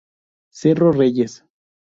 Cerro Reyes.